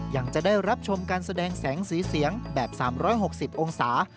ยังจะได้รับชมการแสดงแสงสีเสียงแบบ๓๖๐องศา